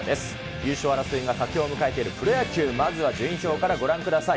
優勝争いが佳境を迎えているプロ野球、まずは順位表からご覧ください。